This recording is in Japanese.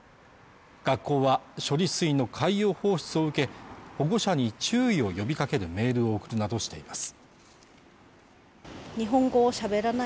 学校は処理水の海洋放出を受け保護者に注意を呼びかけるメールを送るなどしています